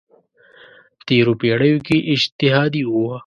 تېرو پېړیو کې اجتهادي وه.